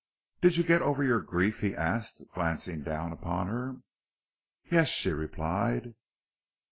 "Did you get over your grief?" he asked, glancing down upon her. "Yes," she replied.